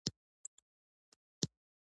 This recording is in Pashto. هغه داسې وسیله اختراع کړې وه چې ستنې لېږدولې